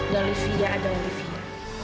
dan olivia adalah olivia